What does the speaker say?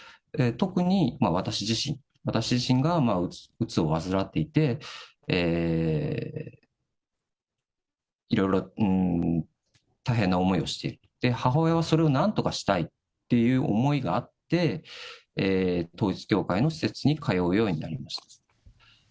特に私自身、私自身がうつを患っていて、いろいろ大変な思いをして、母親はそれをなんとかしたいっていう思いがあって、統一教会の施設に通うようになりました。